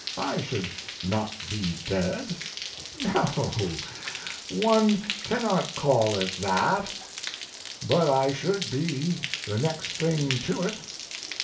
I should not be dead no, one cannot call it that but I should be the next thing to it.